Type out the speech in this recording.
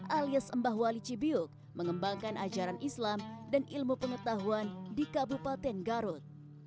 alias mbah wali cibiuk mengembangkan ajaran islam dan ilmu pengetahuan di kabupaten garut